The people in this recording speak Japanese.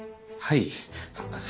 はい。